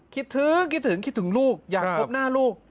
คิดถึงคิดถึงลูกอยากพบหน้าลูก